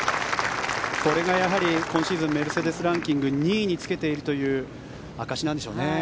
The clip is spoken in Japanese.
これがやはり今シーズンメルセデス・ランキング２位につけているという証しなんでしょうね。